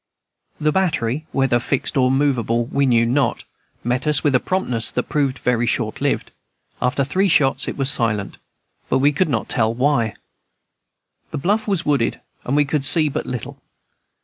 The battery whether fixed or movable we knew not met us with a promptness that proved very shortlived. After three shots it was silent, but we could not tell why. The bluff was wooded, and we could see but little.